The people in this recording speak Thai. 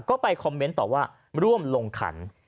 ก็ไปคอมเมนต์ต่อว่าร่วมลงขัน